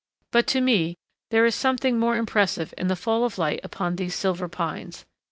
But to me there is something more impressive in the fall of light upon these Silver Pines.